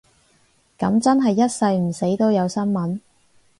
噉真係一世唔死都有新聞